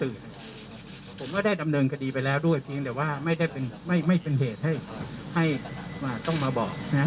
อันนี้ผมก็ได้ดำเนินคดีไปแล้วด้วยเพียงแม้ว่าไม่ได้เป็นไม่ไม่เป็นเหตุให้ให้ว่าต้องมาบอกนะ